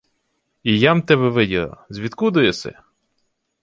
— І я-м тебе виділа. Звідкуду єси?